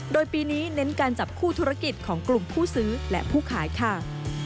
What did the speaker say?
โดยปีนี้เน้นการจับคู่ธุรกิจของกลุ่มผู้ซื้อและผู้ขายค่ะ